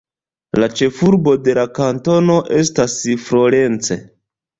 La ĉefurbo de la kantono estas Florence.